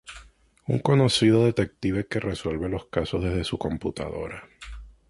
Un conocido detective que resuelve los casos desde su computadora.